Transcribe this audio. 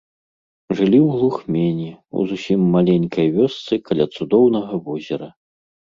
Жылі ў глухмені, у зусім маленькай вёсцы каля цудоўнага возера.